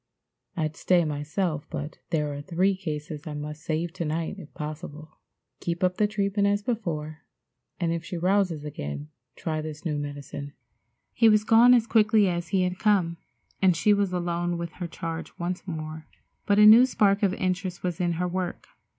I'd stay myself, but there are three cases I must save to night if possible. Keep up the treatment as before, and if she rouses again try this new medicine." He was gone as quickly as he had come, and she was alone with her charge once more, but a new spark of interest was in her work.